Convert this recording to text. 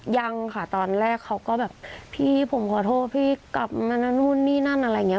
ยังค่ะตอนแรกเขาก็แบบพี่ผมขอโทษพี่กลับมานั่นนู่นนี่นั่นอะไรอย่างนี้